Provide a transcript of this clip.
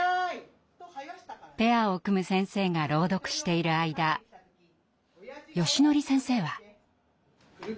ペアを組む先生が朗読している間よしのり先生は。